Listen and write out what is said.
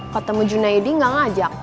kok temu junaedi gak ngajak